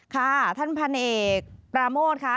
ค่ะท่านพันเอกปราโมทค่ะ